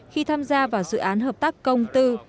khi tham gia vào dự án hợp tác công tư